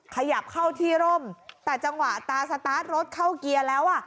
ขยับเข้าที่ร่มแต่จังหวะตาสตาร์ทรถเข้าเกียร์แล้วอ่ะ